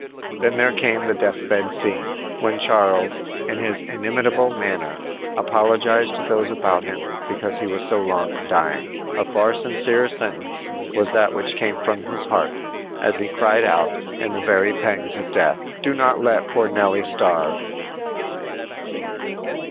Then there came the death bed scene, when Charles, in his inimitable manner, apologized to those about him because he was so long in dying. A far sincerer sentence was that which came from his heart, as he cried out, in the very pangs of death: "Do not let poor Nelly starve!"